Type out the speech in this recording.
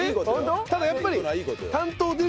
ただやっぱり。